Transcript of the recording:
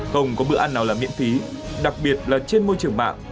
không có bữa ăn nào là miễn phí đặc biệt là trên môi trường mạng